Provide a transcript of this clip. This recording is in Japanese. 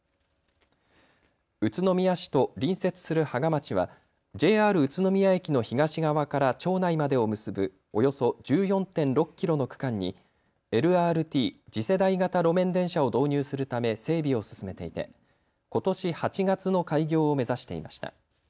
宇都宮市と隣接する芳賀町はＪＲ宇都宮駅の東側から町内までを結ぶおよそ１４．６キロの区間にＬＲＴ・次世代型路面電車を導入するため整備を進めていてことし８月の開業を目指していました。